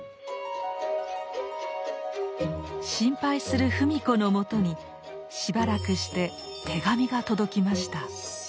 心配する芙美子の元にしばらくして手紙が届きました。